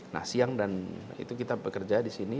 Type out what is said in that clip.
nah siang dan itu kita bekerja disini